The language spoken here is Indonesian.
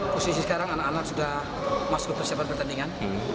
posisi sekarang anak anak sudah masuk ke persiapan pertandingan